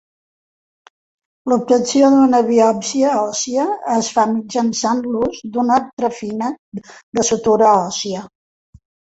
L'obtenció d'una biòpsia òssia es fa mitjançant l'ús d'una trefina de sutura òssia.